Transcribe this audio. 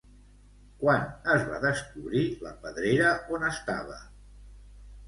Quan es va descobrir la pedrera on estava?